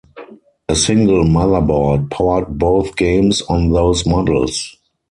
A single motherboard powered both games on those models.